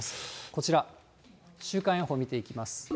こちら、週間予報見ていきます。